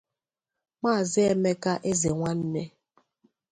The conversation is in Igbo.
Maazị Emeka Ezenwanne.